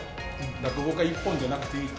落語家一本じゃなくていいと。